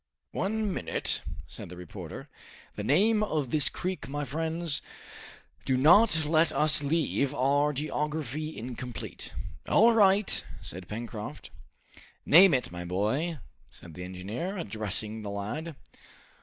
"One minute," said the reporter. "The name of this creek, my friends? Do not let us leave our geography incomplete." "All right!" said Pencroft. "Name it, my boy," said the engineer, addressing the lad.